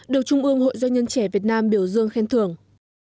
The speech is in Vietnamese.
được trung ương hội doanh nhân trẻ việt nam biểu dương khen thưởng